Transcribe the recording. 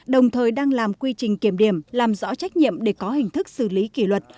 đồng thời đang làm quy trình kiểm điểm làm rõ trách nhiệm để có hình thức xử lý kỷ luật